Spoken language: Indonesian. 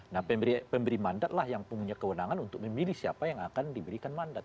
nah pemberi mandat lah yang punya kewenangan untuk memilih siapa yang akan diberikan mandat